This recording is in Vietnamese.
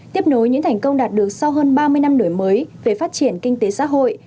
tiếp nối những thành công đạt được sau hơn ba mươi năm nổi mới về phát triển kinh tế xã hội